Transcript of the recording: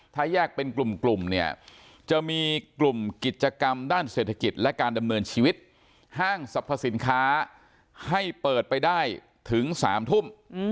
ถ้าแยกเป็นกลุ่มเนี่ยจะมีกลุ่มกิจกรรมด้านเศรษฐกิจและการดำเนินชีวิตห้างสรรพสินค้าให้เปิดไปได้ถึง๓ทุ่ม